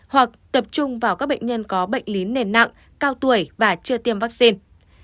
hoặc tập trung vào các bệnh nhân có bệnh lý nền nặng cao tuổi và chưa tiêm vaccine